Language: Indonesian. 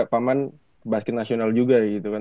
paman basket nasional juga gitu kan